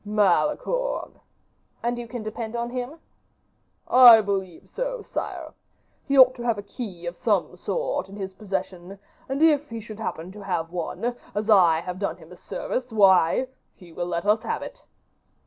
"Malicorne." "And you can depend on him?" "I believe so, sire. He ought to have a key of some sort in his possession; and if he should happen to have one, as I have done him a service, why, he will let us have it."